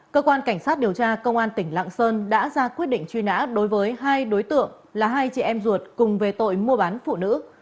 cơ quan tỉnh lạng sơn đã ra quyết định truy nã đối với hai đối tượng là hai chị em ruột cùng về tội mua bán phụ nữ